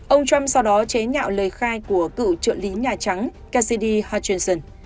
ông trump sau đó chế nhạo lời khai của cựu trợ lý nhà trắng cassidy hutchinson